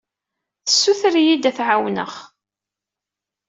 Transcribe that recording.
Tessuter-iyi-d ad t-ɛawneɣ.